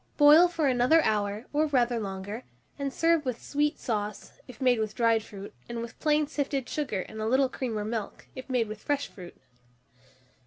Boil for another hour, or rather longer, and serve with sweet sauce, if made with dried fruit, and with plain sifted sugar and a little cream or milk, if made with fresh fruit.